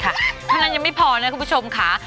เท่านั้นยังไม่พอนะคุณผู้ชมค่ะ